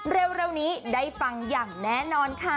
เร็วนี้ได้ฟังอย่างแน่นอนค่ะ